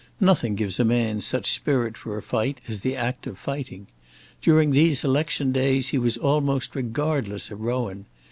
Nothing gives a man such spirit for a fight, as the act of fighting. During these election days he was almost regardless of Rowan.